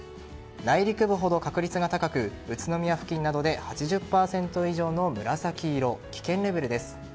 内陸部ほど確率が高く宇都宮付近などで８０％以上の紫色危険レベルです。